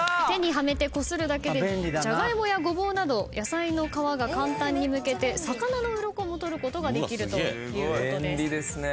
手にはめてこするだけでジャガイモやゴボウなど野菜の皮が簡単にむけて魚のうろこもとることができるということです。